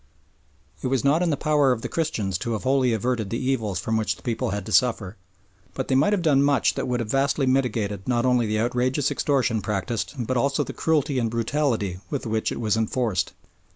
It was not in the power of the Christians to have wholly averted the evils from which the people had to suffer, but they might have done much that would have vastly mitigated not only the outrageous extortion practised but also the cruelty and brutality with which it was enforced.